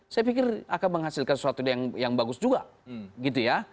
saya pikir akan menghasilkan sesuatu yang bagus juga